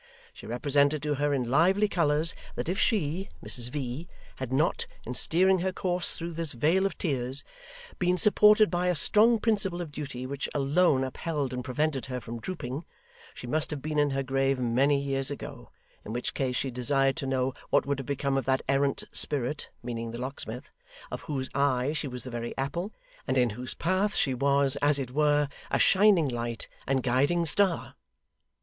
She represented to her in lively colours, that if she (Mrs V.) had not, in steering her course through this vale of tears, been supported by a strong principle of duty which alone upheld and prevented her from drooping, she must have been in her grave many years ago; in which case she desired to know what would have become of that errant spirit (meaning the locksmith), of whose eye she was the very apple, and in whose path she was, as it were, a shining light and guiding star?